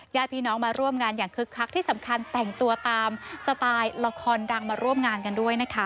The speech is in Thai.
ญาติพี่น้องมาร่วมงานอย่างคึกคักที่สำคัญแต่งตัวตามสไตล์ละครดังมาร่วมงานกันด้วยนะคะ